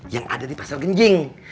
yang ada di pasar genjing